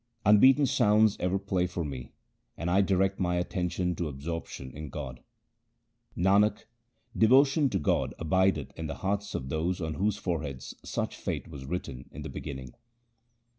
1 Unbeaten sounds ever play for me, and I direct my atten tion to absorption in God. Nanak, devotion to God abideth in the hearts of those on whose foreheads such fate was written in the beginning.